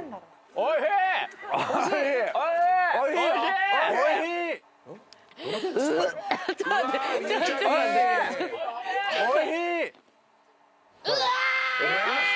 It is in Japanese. おいしい！